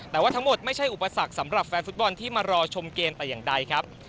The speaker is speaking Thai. แต่ว่าทั้งหมดไม่ใช่อุปสรรคสำหรับแฟนฟุตบอลที่มารอชมเกมแต่อย่างใดครับ